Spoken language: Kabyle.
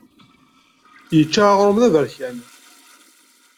Yečča aɣrum aberkan.